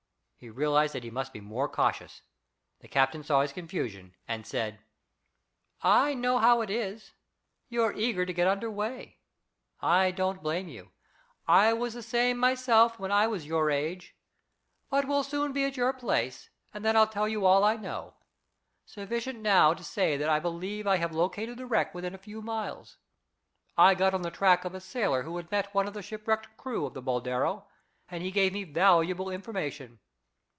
He realized that he must be more cautious. The captain saw his confusion, and said: "I know how it is. You're eager to get under way. I don't blame you. I was the same myself when I was your age. But we'll soon be at your place, and then I'll tell you all I know. Sufficient now, to say that I believe I have located the wreck within a few miles. I got on the track of a sailor who had met one of the shipwrecked crew of the Boldero, and he gave me valuable information.